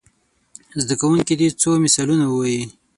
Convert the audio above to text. زده کوونکي دې څو مثالونه ووايي.